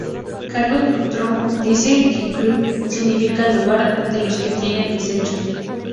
Carlos Montemayor dice que Cuitláhuac significa "Lugar de los que tienen desechos".